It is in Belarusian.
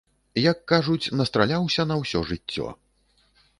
Як кажуць, настраляўся на ўсё жыццё.